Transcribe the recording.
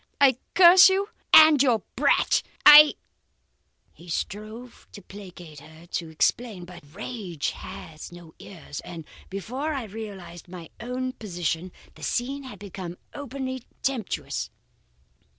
I curse you and your brat. I ' "He strove to placate her, to explain. But rage has no ears, and before I realized my own position, the scene became openly tempestuous.